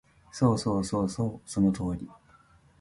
そうそうそうそう、その通り